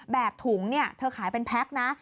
แบบถุงเธอขายเป็นแพ็กนะ